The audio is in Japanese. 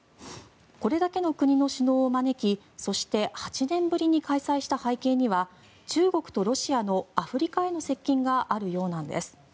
これだけの国の首脳を招きそして８年ぶりに開催した背景には中国とロシアのアフリカへの接近があるようなんです。